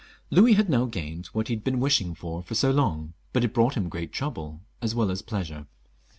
Louis had now gained what he had been wishing for so long, but it brought him great trouble as well as pleasure.